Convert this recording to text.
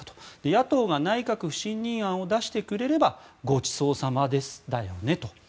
野党が内閣不信任案を出してくれればごちそうさまですだよねと。